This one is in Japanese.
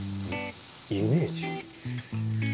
イメージ？